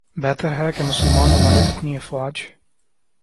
بہتر ہے کہ مسلمان ممالک اپنی افواج